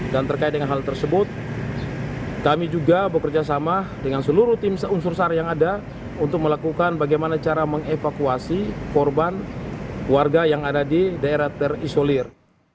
dan terkait dengan hal tersebut kami juga bekerjasama dengan seluruh tim unsur sar yang ada untuk melakukan bagaimana cara mengevakuasi korban warga yang ada di daerah terisolir